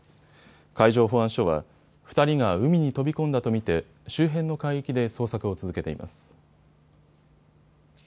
海上保安署は２人が海に飛び込んだと見て周辺の海域で捜索を続けています。